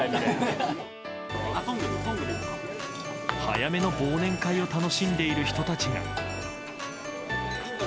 早めの忘年会を楽しんでいる人たちが。